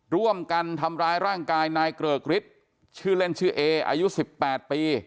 ร่วมกันทำร้ายร่างกายนายเกริกฤทธิ์ชื่อเล่นชื่อเออายุ๑๘ปี